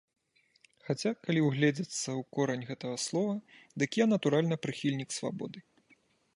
Хаця, калі ўгледзецца ў корань гэтага слова, дык я, натуральна, прыхільнік свабоды.